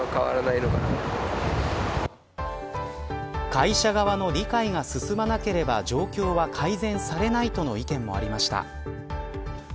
会社側の理解が進まなければ状況は改善されないとの意見もありました。